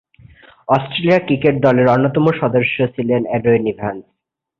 Australia cricket দলের অন্যতম সদস্য ছিলেন এডউইন ইভান্স।